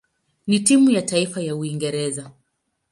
na timu ya taifa ya Uingereza.